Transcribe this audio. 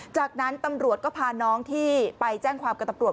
จากนั้นตำรวจก็พาน้องที่ไปแจ้งความกับตำรวจ